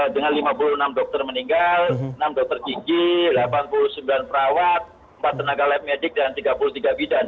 dengan lima puluh enam dokter meninggal enam dokter gigi delapan puluh sembilan perawat empat tenaga lab medik dan tiga puluh tiga bidan